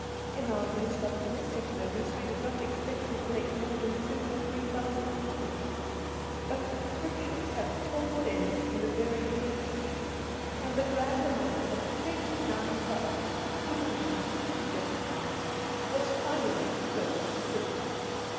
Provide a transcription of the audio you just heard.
In our most optimistic moments we did not expect to collect more than two or three thousand pounds, but subscriptions had poured in from the very commencement, and the grand amount of £29,267 was finally the total contributed.